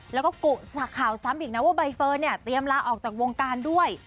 แล้วก็สะขาวซ้ำอีกว่าใบเฟิร์นเตรียมล่าออกจากวงการด้วย